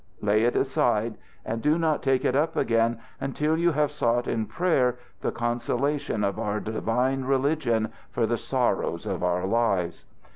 Lay it aside, and do not take it up again until you have sought in prayer the consolation of our divine religion for the sorrows of our lives.